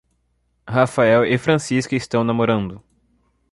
Rafael e Francisca estão namorando.